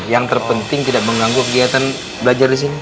yang terpenting tidak mengganggu kegiatan belajar disini